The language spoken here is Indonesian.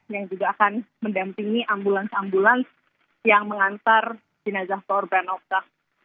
yang juga akan mendampingi ambulans ambulans yang mengantar jenazah korban obda